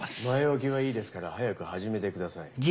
前置きはいいですから早く始めてください。